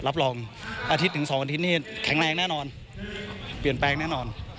รับรองอาทิตย์ถึง๒อาทิตย์นี่แข็งแรงแน่นอนเปลี่ยนแปลงแน่นอน